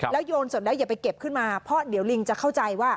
โยนสดแล้วอย่าไปเก็บขึ้นมาเพราะเดี๋ยวลิงจะเข้าใจว่า